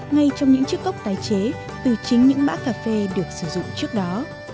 ngay trong những chiếc cốc tái chế từ chính những bã cà phê được sử dụng trước đó